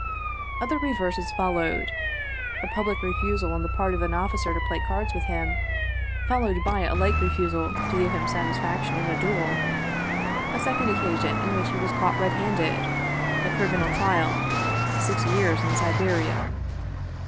Other reverses followed : a public refusal on the part of an officer to play cards with him, fol lowed by a like refusal to give him satisfaction in a duel ; a second occasion in which he was caught redhanded ; a criminal trial; six years in Siberia.